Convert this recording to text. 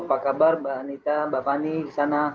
apa kabar mbak anita mbak fani di sana